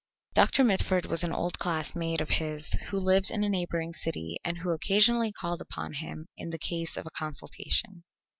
Doctor Mitford was an old classmate of his who lived in a neighbouring city and who occasionally called upon him in the case of a consultation.